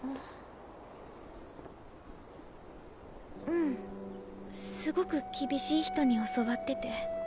うんすごく厳しい人に教わってて。